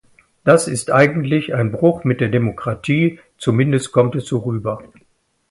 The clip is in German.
Das ist eigentlich ein Bruch mit der Demokratie, zumindest kommt es so rüber.